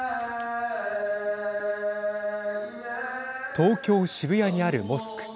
東京、渋谷にあるモスク。